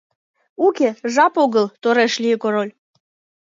— Уке, жап огыл, — тореш лие король.